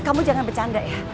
kamu jangan bercanda ya